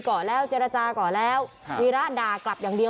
ก็ไม่เข้าใจเหมือนกันว่าวีระเป็นอะไร